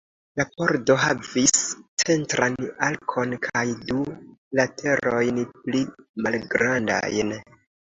La pordo havis centran arkon kaj du laterojn pli malgrandajn.